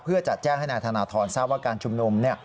เพื่อจะแจ้งให้นายธนทรทราบว่าการชุมนุม